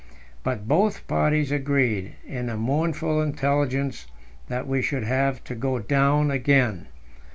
But both parties agreed in the mournful intelligence that we should have to go down again.